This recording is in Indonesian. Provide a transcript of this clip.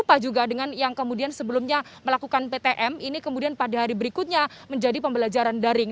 apa juga dengan yang kemudian sebelumnya melakukan ptm ini kemudian pada hari berikutnya menjadi pembelajaran daring